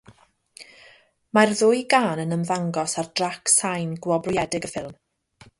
Mae'r ddwy gân yn ymddangos ar drac sain gwobrwyedig y ffilm.